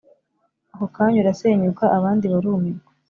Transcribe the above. akokanya urasenyuka abandi barumirwa